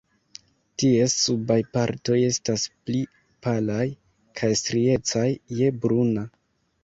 Ties subaj partoj estas pli palaj kaj striecaj je bruna.